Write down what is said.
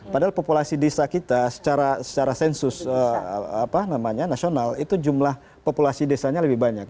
padahal populasi desa kita secara sensus nasional itu jumlah populasi desanya lebih banyak